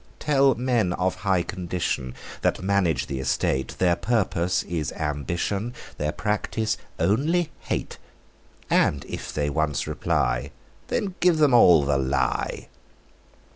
Tell men of high condition, That manage the estate, Their purpose is ambition; Their practice only hate. And if they once reply, Then give them all the lie.